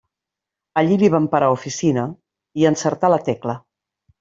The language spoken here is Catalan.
Allí li van parar oficina, i encertà la tecla.